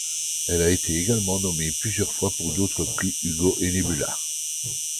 Elle a été également nommée plusieurs fois pour d'autres prix Hugo et Nebula.